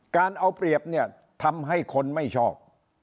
การเอาเปรียบเนี่ยทำให้คนไม่ชอบ